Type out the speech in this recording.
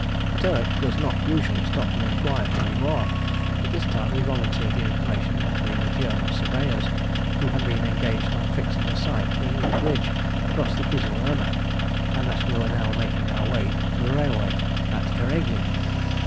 A Turk does not usually stop to inquire who you are; but this time we volunteered the information that we were German surveyors who had been engaged on fixing a site for a new bridge across the Kizil Irmak, and that we were now making our way to the railway at Eregli.